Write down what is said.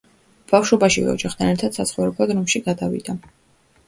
ბავშვობაშივე ოჯახთან ერთად საცხოვრებლად რომში გადავიდა.